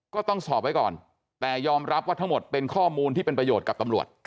ก็ต้องสอบไว้ก่อนแต่ยอมรับว่าทั้งหมดเป็นข้อมูลที่เป็นประโยชน์กับตำรวจ